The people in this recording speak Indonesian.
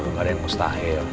enggak ada yang mustahil